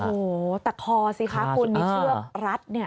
โอ้โหแต่คอสิคะคุณมีเชือกรัดเนี่ย